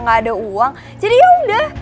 gak ada uang jadi yaudah